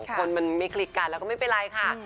คนมันไม่คลิกกันแล้วก็ไม่เป็นไรค่ะ